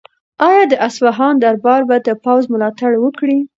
آیا د اصفهان دربار به د پوځ ملاتړ وکړي؟